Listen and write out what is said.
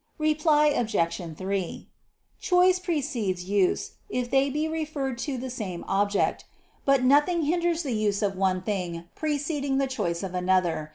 Reply Obj. 3: Choice precedes use, if they be referred to the same object. But nothing hinders the use of one thing preceding the choice of another.